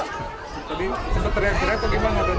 tadi sempat teriak teriak atau gimana